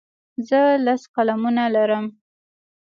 زه لس قلمونه لرم.